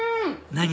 何？